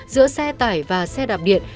giữa xe tải và xe đạp điện